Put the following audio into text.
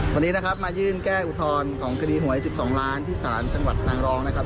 วันนี้นะครับมายื่นแก้อุทธรณ์ของคดีหวย๑๒ล้านที่ศาลจังหวัดนางรองนะครับ